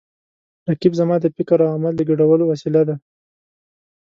رقیب زما د فکر او عمل د ګډولو وسیله ده